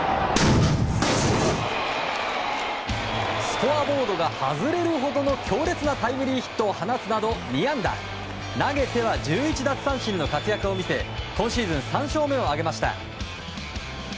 スコアボードが外れるほどの強烈なタイムリーヒットを放つなど２安打投げては１１奪三振の活躍で今シーズン３勝目を挙げました。